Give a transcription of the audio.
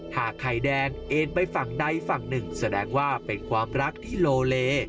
หากไข่แดงเอ็นไปฝั่งใดฝั่งหนึ่งแสดงว่าเป็นความรักที่โลเล